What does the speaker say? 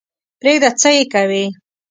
پرېږده څه یې کوې.